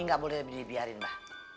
ini gak boleh dibiarin mbah